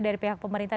dari pihak pemerintah